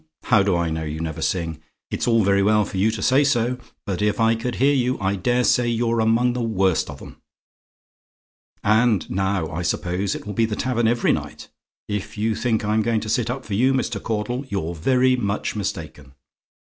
How do I know you never sing? It's very well for you to say so; but if I could hear you, I daresay you're among the worst of 'em. "And now, I suppose, it will be the tavern every night? If you think I'm going to sit up for you, Mr. Caudle, you're very much mistaken.